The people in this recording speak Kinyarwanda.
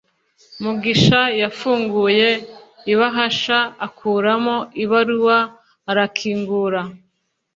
mugisha yafunguye ibahasha, akuramo ibaruwa arakingura